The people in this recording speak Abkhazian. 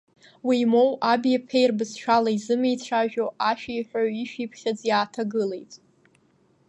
Уимоу, аби-аԥеи рбызшәала изымеицәажәо, ашәиҳәаҩ ишәиԥхьыӡ иааҭагылеит.